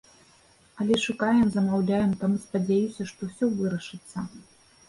Але шукаем, замаўляем, таму спадзяюся, што ўсё вырашыцца.